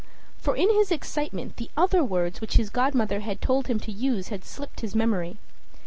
For in his excitement the other words which his godmother had told him to use had slipped his memory.